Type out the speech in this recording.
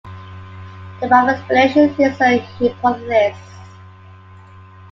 The above explanation is a hypothesis.